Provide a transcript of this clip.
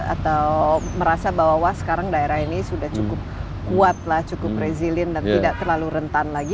atau merasa bahwa sekarang daerah ini sudah cukup kuat lah cukup resilient dan tidak terlalu rentan lagi